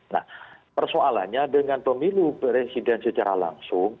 nah persoalannya dengan pemilu presiden secara langsung